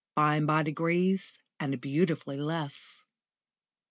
* _*"FINE BY DEGREES, AND BEAUTIFULLY LESS."